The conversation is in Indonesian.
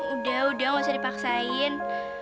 udah udah gak usah dipaksain